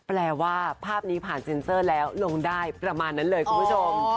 แปลว่าภาพนี้ผ่านเซ็นเซอร์แล้วลงได้ประมาณนั้นเลยคุณผู้ชม